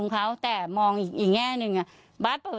เขาก็นิสัยดี